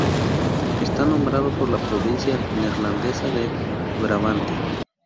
Está nombrado por la provincia neerlandesa de Brabante.